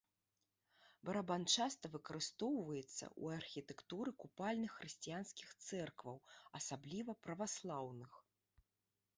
Барабан часта выкарыстоўваецца ў архітэктуры купальных хрысціянскіх цэркваў, асабліва, праваслаўных.